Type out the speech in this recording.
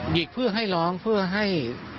หิกเพื่อให้ร้องเพื่อให้